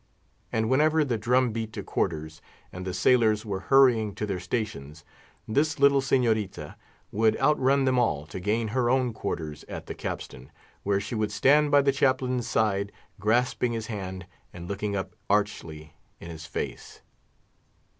And whenever the drum beat to quarters, and the sailors were hurrying to their stations, this little signorita would outrun them all to gain her own quarters at the capstan, where she would stand by the chaplain's side, grasping his hand, and looking up archly in his face.